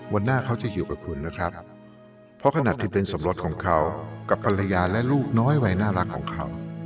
หน้าเขาจะอยู่กับคุณนะครับเพราะขนาดที่เป็นสมรสของเขากับภรรยาและลูกน้อยวัยน่ารักของเขา